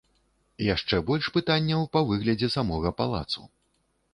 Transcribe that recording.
Яшчэ больш пытанняў па выглядзе самога палацу.